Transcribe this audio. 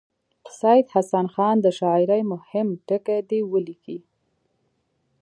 سید حسن خان د شاعرۍ مهم ټکي دې ولیکي.